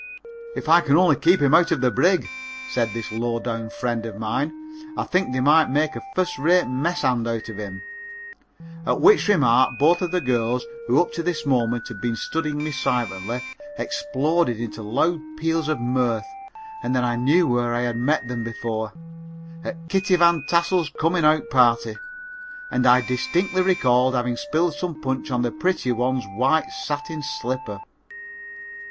"If I can only keep him out of the brig," said this low down friend of mine, "I think they might make a first rate mess hand out of him," at which remark both of the girls, who up to this moment had been studying me silently, exploded into loud peals of mirth and then I knew where I had met them before at Kitty Van Tassel's coming out party, and I distinctly recalled having spilled some punch on the prettier one's white satin slipper.